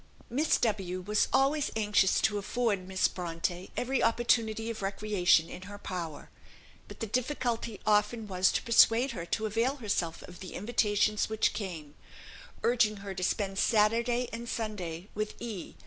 Miss W was always anxious to afford Miss Bronte every opportunity of recreation in her power; but the difficulty often was to persuade her to avail herself of the invitations which came, urging her to spend Saturday and Sunday with "E."